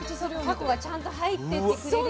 タコがちゃんと入ってってくれるように。